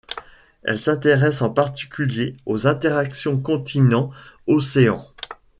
Elle s'intéresse en particulier aux interactions continents-océans.